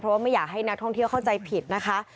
เพราะว่าไม่อยากให้นักท่องเที่ยวเข้าใจผิดนะคะ